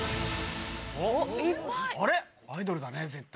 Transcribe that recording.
おっアイドルだね絶対。